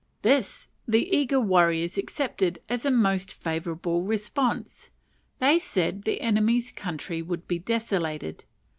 This the eager warriors accepted as a most favourable response: they said the enemy's country would be desolated.